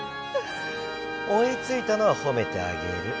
おいついたのはほめてあげる。